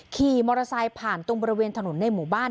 ขี่มอเตอร์ไซค์ผ่านตรงบริเวณถนนในหมู่บ้าน